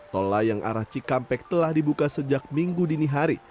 tol layang arah cikampek telah dibuka sejak minggu dinihari